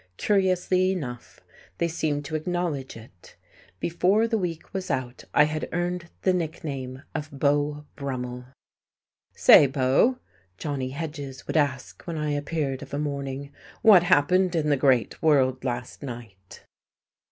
Curiously enough, they seemed to acknowledge it. Before the week was out I had earned the nickname of Beau Brummel. "Say, Beau," Johnny Hedges would ask, when I appeared of a morning, "what happened in the great world last night?"